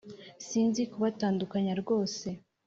sinzi kubatandukanya rwose